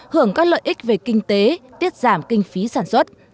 hưởng các lợi ích về kinh tế tiết giảm kinh phí sản xuất